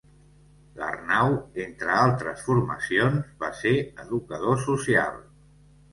L'Arnau, entre altres formacions, va ser Educador Social.